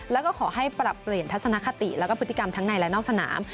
แล้วก็ขอให้ปรับเปลี่ยนทัศนคติแล้วก็พฤติกรรมทั้งในและนอกสนาม